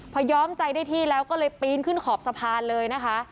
พอย้อมใจได้ที่แล้วก็เลยปีนขึ้นขอบสะพานเลยนะคะ